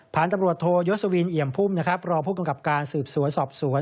ผ่านตำรวจโทยศวินเอี่ยมพุ่มนะครับรองผู้กำกับการสืบสวนสอบสวน